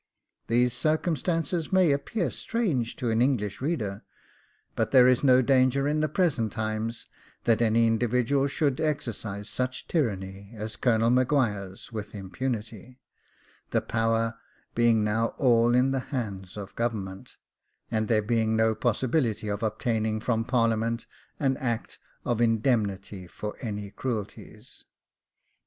These circumstances may appear strange to an English reader; but there is no danger in the present times that any individual should exercise such tyranny as Colonel M'Guire's with impunity, the power being now all in the hands of Government, and there being no possibility of obtaining from Parliament an Act of indemnity for any cruelties.